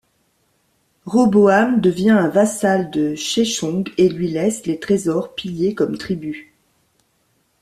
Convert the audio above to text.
Roboam devient un vassal de Sheshonq, et lui laisse les trésors pillés comme tribut.